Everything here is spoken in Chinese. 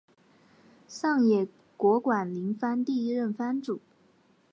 上野国馆林藩第一任藩主。